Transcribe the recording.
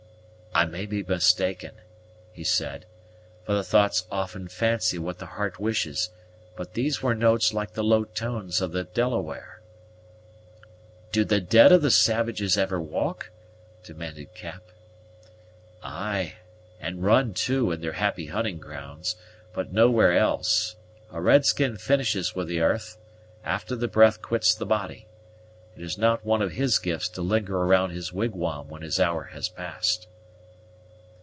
"I may be mistaken," he said, "for the thoughts often fancy what the heart wishes; but these were notes like the low tones of the Delaware." "Do the dead of the savages ever walk?" demanded Cap. "Ay, and run too, in their happy hunting grounds, but nowhere else. A red skin finishes with the 'arth, after the breath quits the body. It is not one of his gifts to linger around his wigwam when his hour has passed."